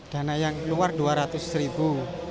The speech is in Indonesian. dana yang keluar dua ratus ribu